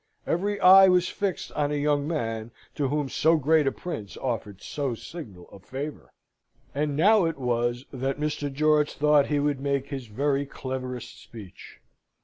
Every eye was fixed on a young man to whom so great a Prince offered so signal a favour. And now it was that Mr. George thought he would make his very cleverest speech.